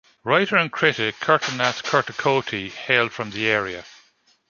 Writer and critic Kirtinath Kurtakoti hailed from the area.